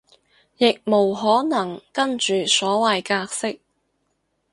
亦無可能跟住所謂格式